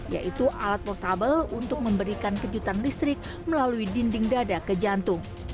yaitu alat portable untuk memberikan kejutan listrik melalui dinding dada ke jantung